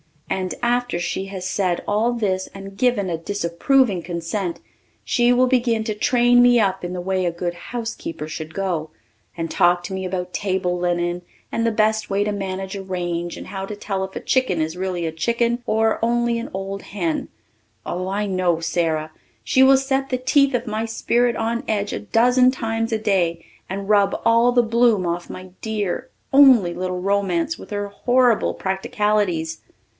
And after she has said all this and given a disapproving consent she will begin to train me up in the way a good housekeeper should go, and talk to me about table linen and the best way to manage a range and how to tell if a chicken is really a chicken or only an old hen. Oh, I know Sara! She will set the teeth of my spirit on edge a dozen times a day and rub all the bloom off my dear, only, little romance with her horrible practicalities.